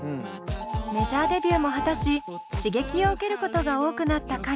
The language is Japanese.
メジャーデビューも果たし刺激を受けることが多くなった彼。